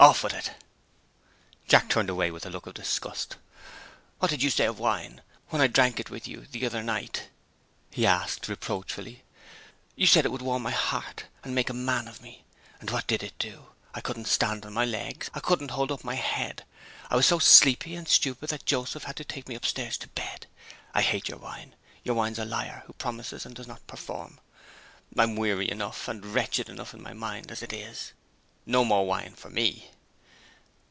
Off with it!" Jack turned away with a look of disgust. "What did you say of wine, when I drank with you the other night?" he asked reproachfully. "You said it would warm my heart, and make a man of me. And what did it do? I couldn't stand on my legs. I couldn't hold up my head I was so sleepy and stupid that Joseph had to take me upstairs to bed. I hate your wine! Your wine's a liar, who promises and doesn't perform! I'm weary enough, and wretched enough in my mind, as it is. No more wine for me!"